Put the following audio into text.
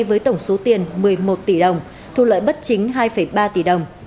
với tổng số tiền một mươi một tỷ đồng thu lợi bất chính hai ba tỷ đồng